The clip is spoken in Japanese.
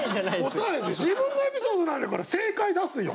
自分のエピソードなんだから正解出すよ。